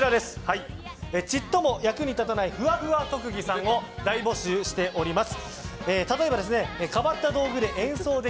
ちっとも役に立たないふわふわ特技さんを大募集しております。